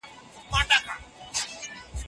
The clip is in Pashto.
ادبي غونډې د پوهې او معنویت سرچینه ده.